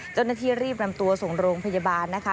เจ้าหน้าที่รีบนำตัวส่งโรงพยาบาลนะคะ